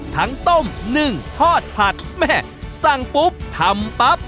ทั้งต้มนึงทอดผัดแหมก็สั่งปุ๊บทำปั๊บ